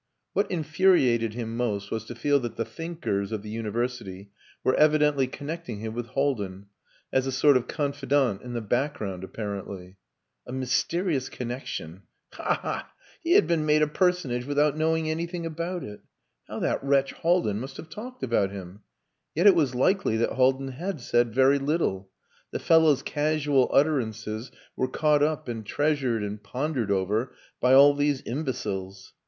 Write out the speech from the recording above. What infuriated him most was to feel that the "thinkers" of the University were evidently connecting him with Haldin as a sort of confidant in the background apparently. A mysterious connexion! Ha ha! ...He had been made a personage without knowing anything about it. How that wretch Haldin must have talked about him! Yet it was likely that Haldin had said very little. The fellow's casual utterances were caught up and treasured and pondered over by all these imbeciles.